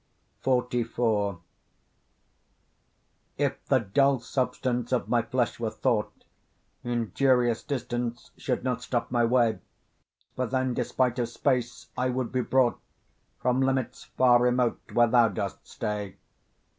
XLIV If the dull substance of my flesh were thought, Injurious distance should not stop my way; For then despite of space I would be brought, From limits far remote, where thou dost stay.